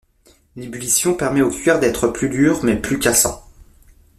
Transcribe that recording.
L'ébullition permet au cuir d'être plus dur mais plus cassant.